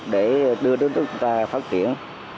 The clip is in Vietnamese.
để đưa đến cho chúng ta phát triển